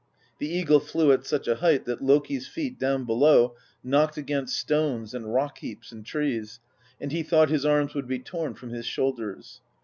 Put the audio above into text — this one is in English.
The eagle flew at such a height that Loki's feet down below knocked against stones and rock heaps and trees, and he thought his arms would be torn from his shoulders.